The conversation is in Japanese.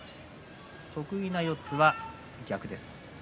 得意の四つは逆でした。